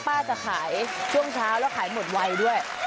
ป้าจะขายช่วงเช้าแล้วขายหมดไวด้วย